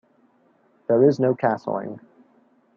There is no castling.